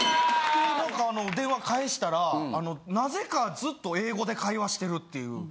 なんか電話かえしたらなぜかずっと英語で会話してるっていう。